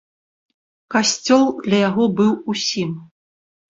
Касцёл для яго быў усім.